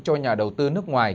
cho nhà đầu tư nước ngoài